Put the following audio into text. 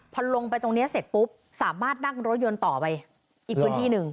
พอลงไปตรงนี้เสร็จปุ๊บสามารถนั่งรถยนต์ต่อไปอีกพื้นที่หนึ่ง